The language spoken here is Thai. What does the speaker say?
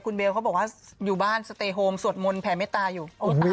คุณเบลเขาบอกว่าอยู่บ้านสเตยโฮมสวดมนต์แผ่เมตตาอยู่